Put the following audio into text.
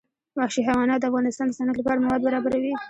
وحشي حیوانات د افغانستان د صنعت لپاره مواد برابروي.